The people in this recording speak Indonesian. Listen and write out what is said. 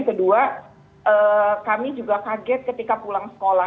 kedua kami juga kaget ketika pulang sekolah